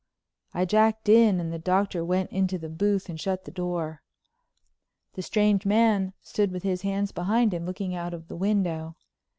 I jacked in and the Doctor went into the booth and shut the door. The strange man stood with his hands behind him, looking out of the window.